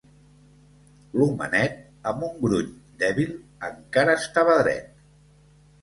L'homenet, amb un gruny dèbil, encara estava dret.